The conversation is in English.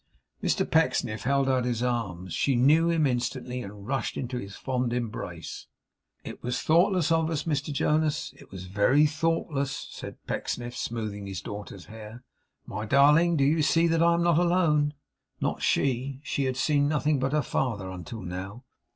Mr Pecksniff held out his arms. She knew him instantly, and rushed into his fond embrace. 'It was thoughtless of us, Mr Jonas, it was very thoughtless,' said Pecksniff, smoothing his daugther's hair. 'My darling, do you see that I am not alone!' Not she. She had seen nothing but her father until now.